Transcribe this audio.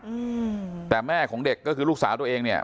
อืมแต่แม่ของเด็กก็คือลูกสาวตัวเองเนี้ย